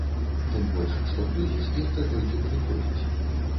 Тым больш, што крызіс яшчэ толькі падыходзіць.